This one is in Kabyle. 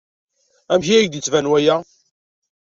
Amek i ak-d-yettban waya?